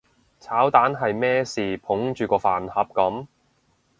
炒蛋係咩事捧住個飯盒噉？